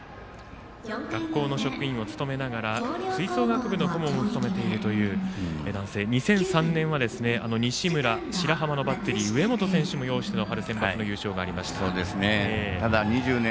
学校の職員を務めながら吹奏楽部の顧問を務めているという２００３年は西村、白濱のバッテリー上本選手を擁しての春センバツの優勝がありました。